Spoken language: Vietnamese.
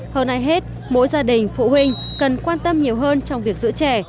hơn ai hết mỗi gia đình phụ huynh cần quan tâm nhiều hơn trong việc giữ trẻ